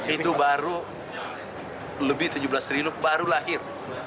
itu baru lebih tujuh belas triliun baru lahir